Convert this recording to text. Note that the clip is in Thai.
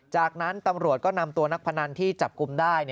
จากนั้นตำรวจก็นำตัวนักพนันที่จับกลุ่มได้